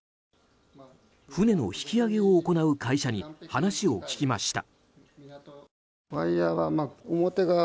船の引き揚げを行う会社に話を聞きました。